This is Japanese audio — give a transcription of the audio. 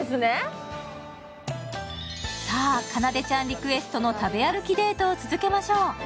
さぁ、かなでちゃんリクエストの食べ歩きデートを続けましょう。